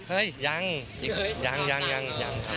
เฮ้ยยังยัง